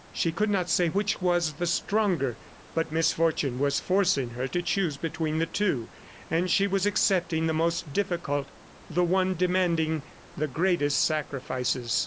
She could not say which was the stronger, but misfortune was forcing her to choose between the two, and she was accepting the most difficult, the one demanding the greatest sacrifices.